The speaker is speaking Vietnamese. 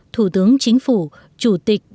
thủ tướng chính phủ chủ tịch đảng nước nga thống nhân